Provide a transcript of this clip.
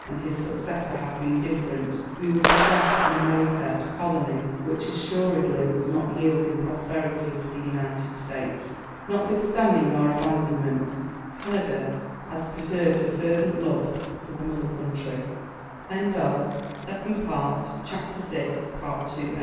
and his successor had been different, we should possess in America a colony which assuredly would not yield in prosperity to the United States. Notwithstanding our abandonment, Canada has preserved a fervent love for the mother country. We must now leap over a period of forty years